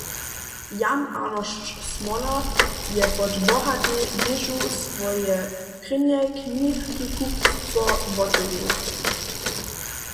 Jan Arnošt Smoler je pod Bohatej wěžu swoje prěnje knihikupstwo wotewrěł.